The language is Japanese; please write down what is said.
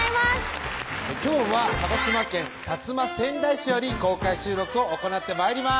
今日は鹿児島県薩摩川内市より公開収録を行って参ります